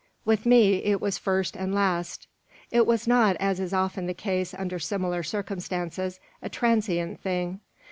With me it was first and last; it was not, as is often the case under similar circumstances, a transient thing.